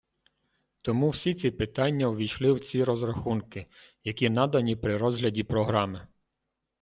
Тому всі ці питання ввійшли в ці розрахунки, які надані при розгляді програми.